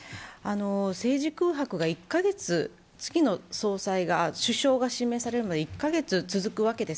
政治空白が１か月、次の首相が示されるのが１カ月続くわけです。